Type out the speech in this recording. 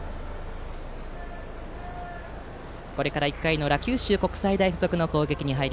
これから１回の裏九州国際大付属の攻撃です。